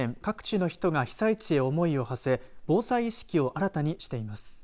各地の人が被災地へ思いをはせ防災意識を新たにしています。